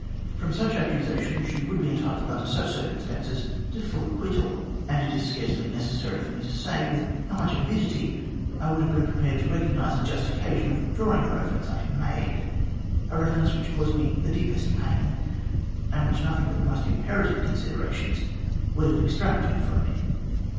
From such accusations you would be entitled under such circumstances to full acquittal ; and it is scarcely necessary for me to say with how much avidity I should have been prepared to recognise a just occasion of withdrawing the reference I had made a reference which caused me the deepest pain, and which nothing but the most imperative considerations would have ex tracted from me.